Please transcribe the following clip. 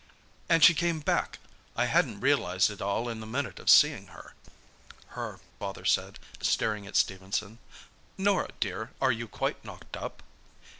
"And she came back! I hadn't realised it all in the minute of seeing her," her father said, staring at Stephenson. "Norah, dear, are you quite knocked up?"